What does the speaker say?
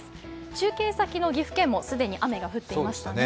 中継先の岐阜県も既に雨が降っていましたね。